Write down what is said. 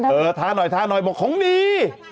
เออทานอย่างนี้ทานหน่อยบอกของนี